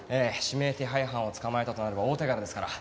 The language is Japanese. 指名手配犯を捕まえたとなれば大手柄ですから。